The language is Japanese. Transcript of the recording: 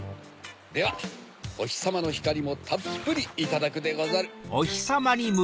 ではおひさまのひかりもたっぷりいただくでござる。